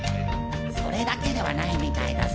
「それだけではないみたいだぞ」